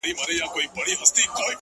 • پر جل وهلي زړه مي ډکه پیمانه لګېږې ,